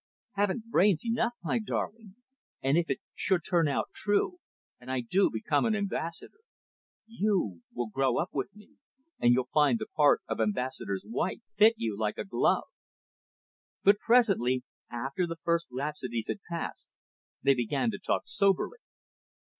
Haven't brains enough, my darling. And, if it should turn out true, and I do become an ambassador, you will grow up with me, and you'll find the part of ambassador's wife fit you like a glove." But, presently, after the first rhapsodies had passed, they began to talk soberly.